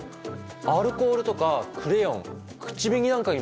アルコールとかクレヨン口紅なんかにも使えるんだ。